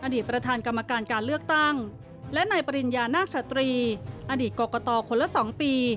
อดีตประธานกรรมการการเลือกตั้งและนายปริญญานาคสตรีอดีตกรกตคนละ๒ปี